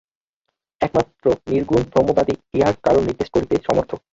একমাত্র নির্গুণ ব্রহ্মবাদই ইহার কারণ নির্দেশ করিতে সমর্থ।